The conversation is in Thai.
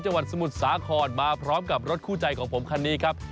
จังหวัดสมุทรสาครมาพร้อมกับรถคู่ใจของผมคันนี้ครับ